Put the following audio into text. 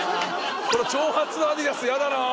この長髪のアディダスヤダな！